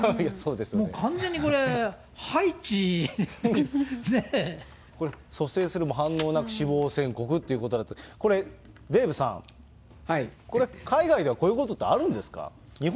もう完全にこれ、蘇生するも反応なく、死亡宣告となると、これ、デーブさん、これ、海外ではこういうことってあるんですか？